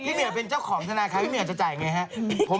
พี่เหนียวเป็นเจ้าของธนาคารพี่เหนียวจะจ่ายอย่างไรครับ